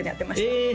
え